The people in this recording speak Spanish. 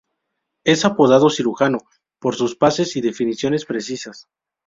Es apodado "Cirujano" por sus pases y definiciones precisas.